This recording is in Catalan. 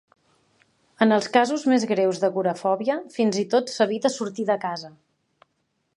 En els casos més greus d'agorafòbia, fins i tot s'evita sortir de casa.